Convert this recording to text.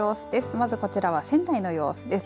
まずこちらは仙台の様子です。